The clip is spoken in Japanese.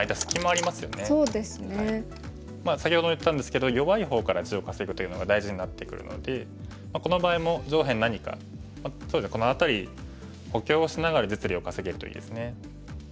先ほども言ったんですけど弱い方から地を稼ぐというのが大事になってくるのでこの場合も上辺何かそうですねこの辺り補強しながら実利を稼げるといいですね。